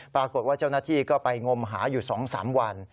ปรากฏว่าเจ้าหน้าที่ก็ไปงมหาอยู่๒๓วัน